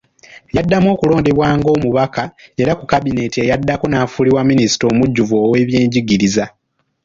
Yaddamu okulondebwa ng’omubaka era ku kabineeti eyaddako n’afuulibwa Minisita omujjuvu ow’ebyenjigiriza.